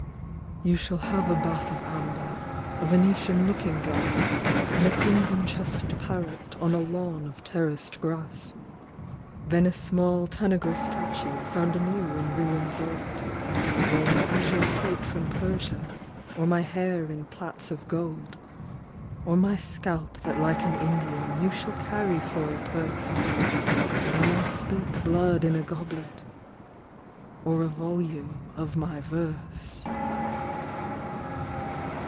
63 Ballad. You shall have a bath of amber, A Venetian looking glass, And a crimson chested parrot On a lawn of terraced grass. Then a small Tanagra statue Found anew in ruins old, Or an azure plate from Persia, Or my hair in plaits of gold ; Or my scalp that like an Indian You shall carry for a purse, Or my spilt blood in a goblet .. Or a volume of my verse.